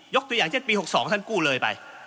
ตัวอย่างเช่นปี๖๒ท่านกู้เลยไป